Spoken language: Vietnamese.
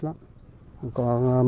dài ngày cập bến